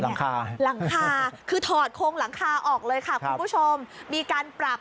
หลังคาหลังคาคือถอดโครงหลังคาออกเลยค่ะคุณผู้ชมมีการปรับ